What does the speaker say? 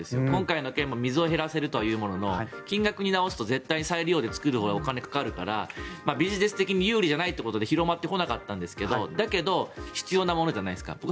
今回の件も水を減らせるとは言うものの金額に直すと絶対に再利用で直すほうがお金かかるから、ビジネス的に有利じゃないということで広まってこなかったんですがだけど必要なものじゃないですか。